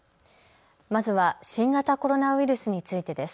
まずは新型コロナウイルスについてです。